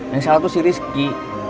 yang salah itu si rizky